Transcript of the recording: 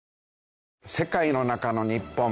世界の中の日本。